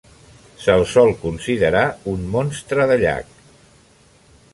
Se'l sol considerar un monstre de llac.